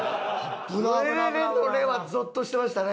「レレレのレー」はゾッとしてましたね。